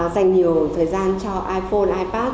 dành nhiều thời gian cho iphone ipad